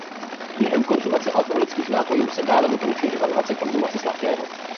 Během konzumace alkoholických nápojů se dále doporučuje vyvarovat se konzumace sladkého.